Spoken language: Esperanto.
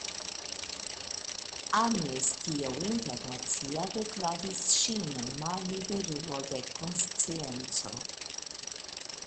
Amnestio Internacia deklaris ŝin malliberulo de konscienco.